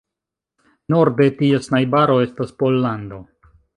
Norde ties najbaro estas Pollando.